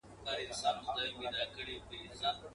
نن یې وار د پاڅېدو دی.